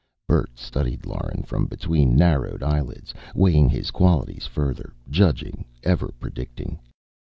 Bert studied Lauren from between narrowed eyelids, weighing his qualities further, judging, ever predicting.